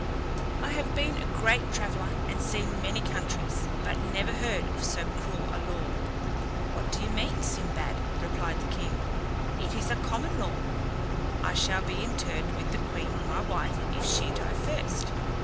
I have been a great traveller, and seen many countries, but never heard of so cruel a law." "What do you mean, Sinbad?" replied the king: "it is a common law. I shall be interred with the queen, my wife, if she die first."